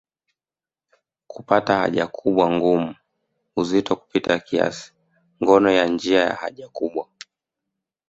Kupata haja kubwa ngumu uzito kupita kiasi ngono ya njia ya haja kubwa